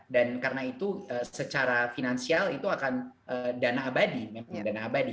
dan karena itu secara finansial itu akan dana abadi